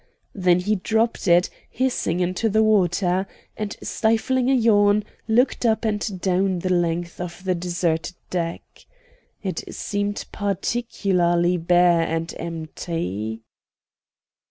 Then he dropped it hissing into the water, and, stifling a yawn, looked up and down the length of the deserted deck. It seemed particularly bare and empty.